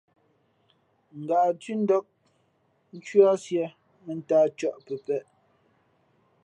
Ngǎʼ thʉ́ndák ncwíá sīē mᾱntāh cᾱʼ pəpēʼ.